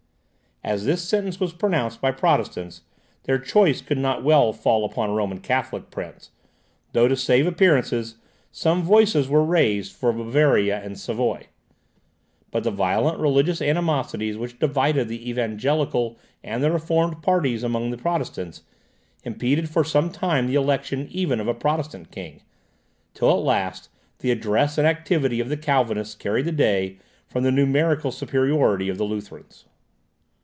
As this sentence was pronounced by Protestants, their choice could not well fall upon a Roman Catholic prince, though, to save appearances, some voices were raised for Bavaria and Savoy. But the violent religious animosities which divided the evangelical and the reformed parties among the Protestants, impeded for some time the election even of a Protestant king; till at last the address and activity of the Calvinists carried the day from the numerical superiority of the Lutherans.